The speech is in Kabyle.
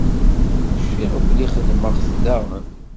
Cfiɣ belli xedmeɣ-t daɣen.